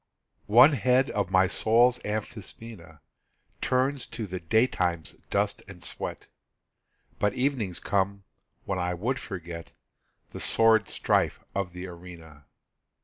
One head of my soul's amphisbaena Turns to the daytime's dust and sweat; But evenings come, when I would forget The sordid strife of the arena.